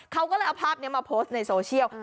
เขาก็เลยเอาภาพนี้มาโพสต์ในโซเชียล